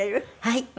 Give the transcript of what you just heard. はい。